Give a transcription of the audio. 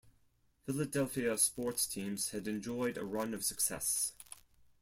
Philadelphia sports teams had enjoyed a run of success.